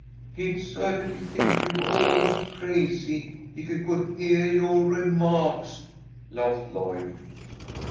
"He'd certainly think you all were crazy if he could heah yoah remah'ks," laughed Lloyd.